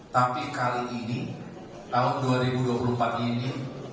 tapi kali ini tahun dua ribu dua puluh empat ini